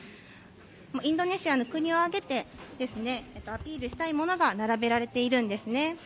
インドネシアの国を挙げてですね、アピールしたいものが並べられているんですね。